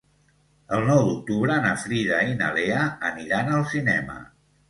El nou d'octubre na Frida i na Lea aniran al cinema.